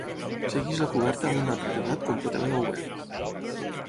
Segueix la coberta amb un altre terrat completament obert.